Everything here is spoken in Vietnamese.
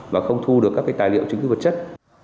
và không thu được các tài liệu chứng cứ vật chất